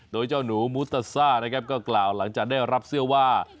โดยเจ้าหนูมูตาซ่านะครับก็กล่าวหลังจากได้รับเสื้อว่า